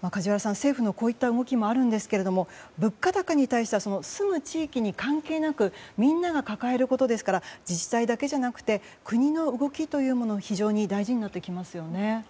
梶原さん、政府のこういった動きもあるんですが物価高に対しては住む地域に関係なくみんなが抱えることですから自治体だけじゃなくて国の動きが大事になってきますよね。